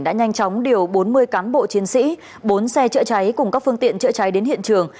đã nhanh chóng điều bốn mươi cán bộ chiến sĩ bốn xe chữa cháy cùng các phương tiện chữa cháy đến hiện trường